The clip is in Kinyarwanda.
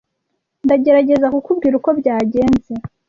Ndagerageza kukubwira uko byagenze.